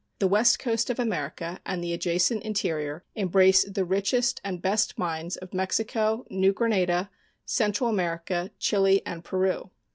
The west coast of America and the adjacent interior embrace the richest and best mines of Mexico, New Granada, Central America, Chili, and Peru.